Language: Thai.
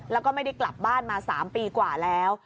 แล้วก็ไม่ได้กลับบ้านมา๓ปีกว่าแล้ว